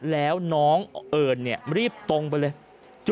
แล้วน้องเอิญรีบตรงไปเลย